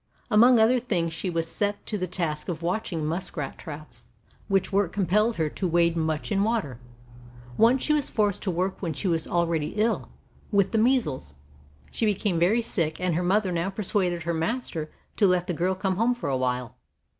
Among other things she was set to the task of watching muskrat traps, which work compelled her to wade much in water. Once she was forced to work when she was already ill with the measles. She became very sick, and her mother now persuaded her master to let the girl come home for a while.